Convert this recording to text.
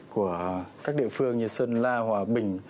của các địa phương như sơn la hòa bình